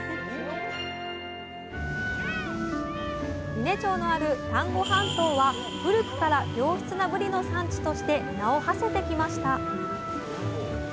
伊根町のある丹後半島は古くから良質なぶりの産地として名をはせてきました